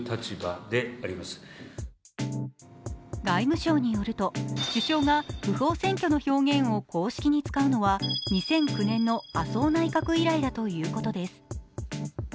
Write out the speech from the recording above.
外務省によると首相が「不法占拠」の表現を公式に使うのは、２００９年の麻生内閣以来だということです。